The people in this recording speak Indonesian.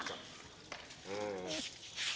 sambil menyelesaikan pak